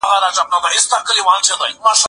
زه اجازه لرم چې اوبه وڅښم!.